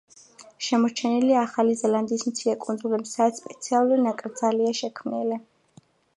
შემორჩენილია ახალი ზელანდიის მცირე კუნძულებზე, სადაც სპეციალური ნაკრძალია შექმნილი.